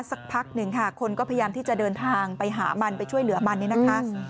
สักพักหนึ่งค่ะคนก็พยายามที่จะเดินทางไปหามันไปช่วยเหลือมันนี่นะคะ